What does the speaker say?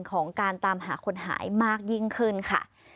ของการตามหาคนหายมากยิ่งขึ้นค่ะ